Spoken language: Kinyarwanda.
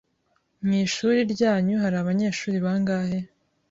Mu ishuri ryanyu hari abanyeshuri bangahe?